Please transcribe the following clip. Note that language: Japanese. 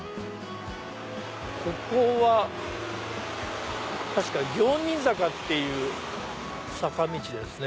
ここは確か行人坂っていう坂道ですね。